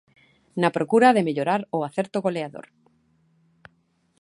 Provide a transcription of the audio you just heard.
Na procura de mellorar o acerto goleador.